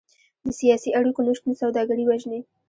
د سیاسي اړیکو نشتون سوداګري وژني.